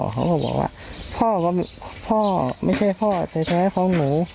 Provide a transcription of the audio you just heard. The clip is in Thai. เขาก็บอกว่าพ่อไม่ใช่พ่อแต่แท้พ่อหนู